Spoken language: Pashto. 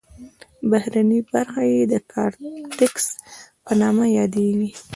بهرنۍ برخه یې کارتکس په نامه یادیږي.